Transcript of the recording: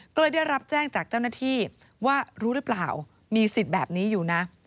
ก็เลยได้รับแจ้งจากเจ้าหน้าที่ว่ารู้หรือเปล่ามีสิทธิ์แบบนี้อยู่นะ